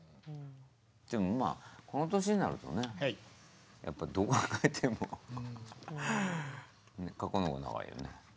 でもまあこの年になるとねやっぱどうあがいても過去の方が長いよね。